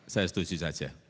saya setuju saja